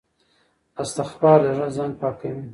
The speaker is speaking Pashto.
استغفار د زړه زنګ پاکوي.